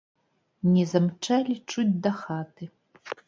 Не замчалі чуць да хаты.